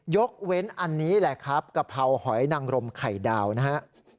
ยกเว้นอันนี้แหละครับกะเพราหอยนังรมไข่ดาวนะครับ